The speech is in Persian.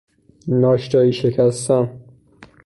ناشتایی شکستن